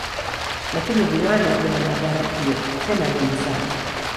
Lakini viwanda vina madhara pia, tena mengi sana.